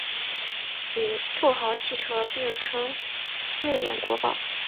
与富豪汽车并称瑞典国宝。